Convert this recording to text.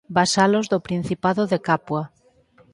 Vasalos do principado de Capua.